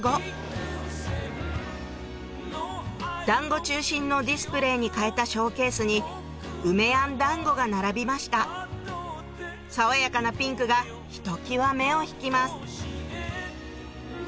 だんご中心のディスプレーに変えたショーケースに梅あんだんごが並びました爽やかなピンクがひときわ目を引きます